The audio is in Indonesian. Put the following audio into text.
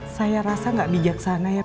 saya rasa gak bijaksana ya